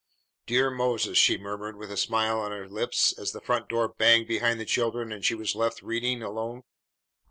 "Dear Moses!" she murmured with a smile on her lips as the front door banged behind the children and she was left reading alone.